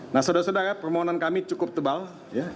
nah saudara saudara ya permohonan kami cukup tebal ya